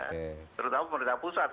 terutama pemerintah pusat